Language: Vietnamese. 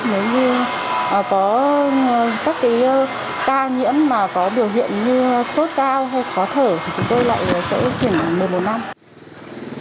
nếu như có các cái ca nhiễm mà có điều hiện như sốt cao hay khó thở thì chúng tôi lại sẽ kiểm một mươi bốn năm